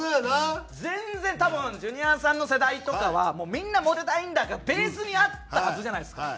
全然多分ジュニアさんの世代とかはみんな「モテたいんだ」がベースにあったはずじゃないですか。